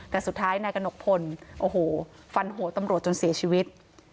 แต่สุดท้ายนายกระหนกพลโอ้โหฟันหัวตำรวจจนเสียชีวิต